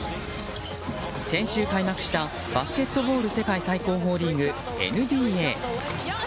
先週開幕したバスケットボール世界最高峰リーグＮＢＡ。